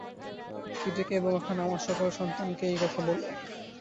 কিডিকে এবং ওখানে আমার সকল সন্তানকে এই কথা বলো।